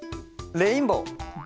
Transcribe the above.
レインボー。